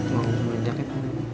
mau jualan jaket